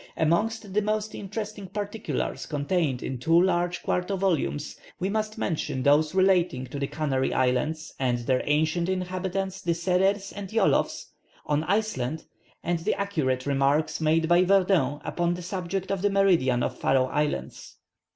Amongst the most interesting particulars contained in two large 4to volumes, we must mention those relating to the Canary Islands and their ancient inhabitants the Serères and Yolof, on Iceland, and the accurate remarks made by Verdun upon the subject of the meridian of Faroe Islands.